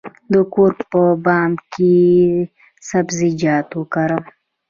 د کور په بام کې سبزیجات وکرم؟